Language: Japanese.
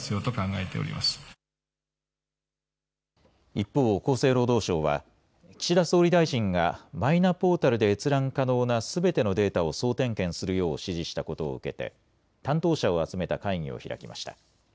一方、厚生労働省は岸田総理大臣がマイナポータルで閲覧可能なすべてのデータを総点検するよう指示したことを受けて担当者を集めた会議を開きました。